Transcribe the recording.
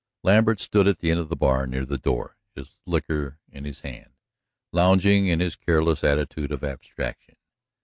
Lambert stood at the end of the bar near the door, his liquor in his hand, lounging in his careless attitude of abstraction.